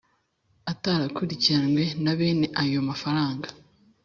atarakurikiranwe na bene ayo mafaranga.